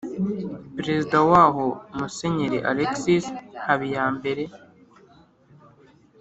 prezida wabo musenyeri alexis habiyambere